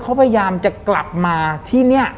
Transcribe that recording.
เขาพยายามจะกลับมาที่นี่